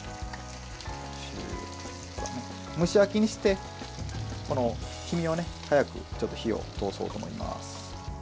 蒸し焼きにして、黄身に早く火を通そうと思います。